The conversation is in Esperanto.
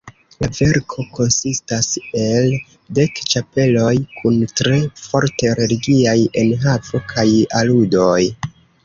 La verko konsistas el dek ĉapeloj kun tre forte religiaj enhavo kaj aludoj.